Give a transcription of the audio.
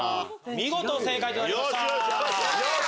見事正解となりました。